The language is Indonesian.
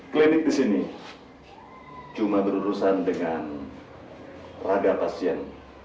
klinik di sini cuma berurusan dengan raga pasien